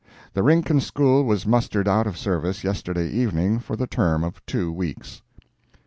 The Rincon School was mustered out of service, yesterday evening, for the term of two weeks.